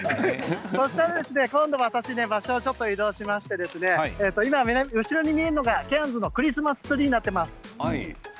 今度、私、場所をちょっと移動しまして今後ろに見えるのがケアンズのクリスマスツリーになっています。